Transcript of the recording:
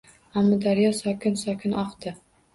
Amudaryo sokin-sokin oqdi.